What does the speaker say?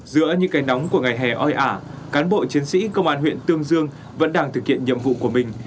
giữa những cây nóng của ngày hè oi ả cán bộ chiến sĩ công an huyện tương dương vẫn đang thực hiện nhiệm vụ của mình